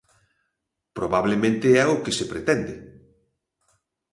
Probablemente é o que se pretende.